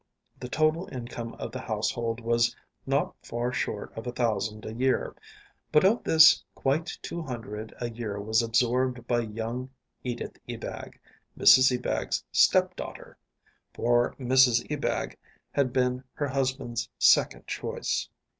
The total income of the household was not far short of a thousand a year, but of this quite two hundred a year was absorbed by young Edith Ebag, Mrs Ebag's step daughter (for Mrs Ebag had been her husband's second choice).